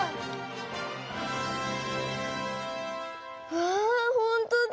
わあほんとだ。